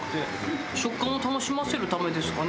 食感を楽しませるためですかね？